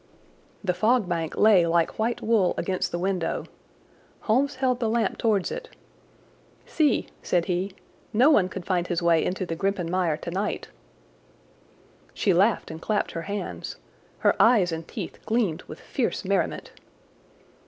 The fog bank lay like white wool against the window. Holmes held the lamp towards it. "See," said he. "No one could find his way into the Grimpen Mire tonight." She laughed and clapped her hands. Her eyes and teeth gleamed with fierce merriment.